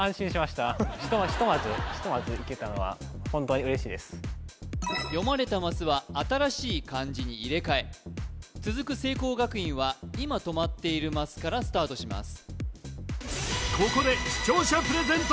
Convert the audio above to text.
ひとまずひとまずいけたのはホントに嬉しいです読まれたマスは新しい漢字に入れ替え続く聖光学院は今止まっているマスからスタートします